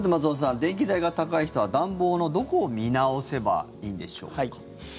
電気代が高い人は暖房のどこを見直せばいいんでしょうか。